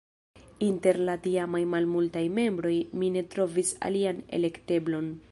Inter la tiamaj malmultaj membroj mi ne trovis alian elekteblon.